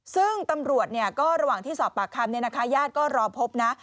ซึ่งตำรวจก็ระหว่างที่สอบปากคำญาติก็รอพบนะ